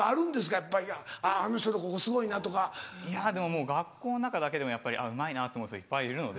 やっぱりあの人のここすごいなとか。いやでも学校の中だけでもやっぱりうまいなと思う人いっぱいいるので。